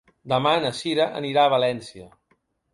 Demà na Cira anirà a València.